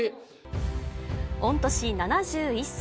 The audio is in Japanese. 御年７１歳。